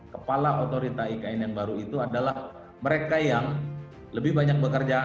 kepala otorita ikn yang baru itu adalah mereka yang lebih banyak bekerja